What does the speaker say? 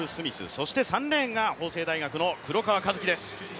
そして３レーンが法政大学の黒川和樹です。